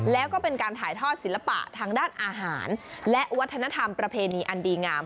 แล้วก็เป็นการถ่ายทอดศิลปะทางด้านอาหารและวัฒนธรรมประเพณีอันดีงาม